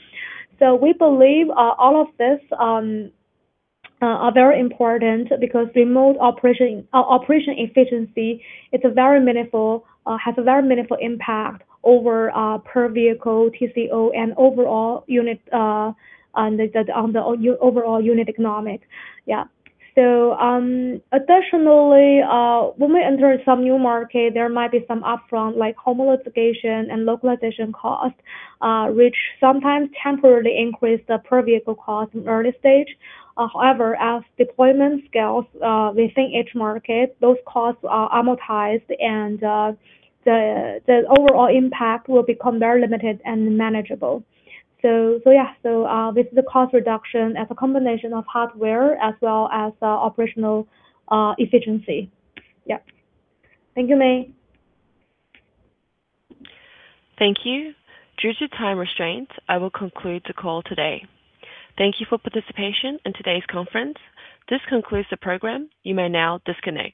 We believe all of this are very important because remote operation efficiency is a very meaningful, has a very meaningful impact over per vehicle TCO and the overall unit economic. Additionally, when we enter some new market, there might be some upfront, like, homologation and localization costs, which sometimes temporarily increase the per vehicle cost in early stage. However, as deployment scales, within each market, those costs are amortized and the overall impact will become very limited and manageable. Yeah. This is the cost reduction as a combination of hardware as well as operational efficiency. Yeah. Thank you, Mei. Thank you. Due to time restraints, I will conclude the call today. Thank you for participation in today's conference. This concludes the program. You may now disconnect.